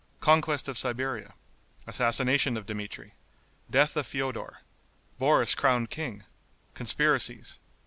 Conquest of Siberia. Assassination of Dmitri. Death of Feodor. Boris Crowned King. Conspiracies.